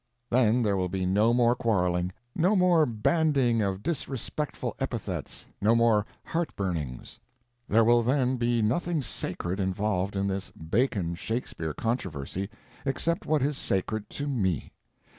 Then there will be no more quarreling, no more bandying of disrespectful epithets, no more heartburnings. There will then be nothing sacred involved in this Bacon Shakespeare controversy except what is sacred to me.